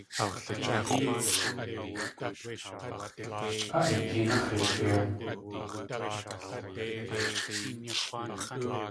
A eetéenáx̲ yatee.